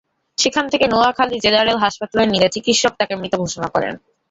সেখান থেকে নোয়াখালী জেনারেল হাসপাতালে নিলে চিকিৎসক তাঁকে মৃত ঘোষণা করেন।